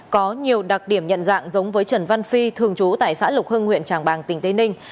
có nhiều đặc điểm nhận dạng giống với trần văn phi thường trú tại xã lục hưng huyện tràng bàng tỉnh tây ninh